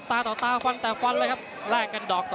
ต่อตาตะฟันแต่ฟันแล้วกันดอกต่อต่อ